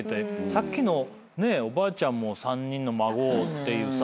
さっきのおばあちゃんも３人の孫をってさ。